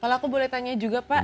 kalau aku boleh tanya juga pak